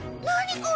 これ。